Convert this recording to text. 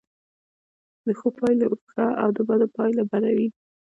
د ښو پایله ښه او د بدو پایله بده وي.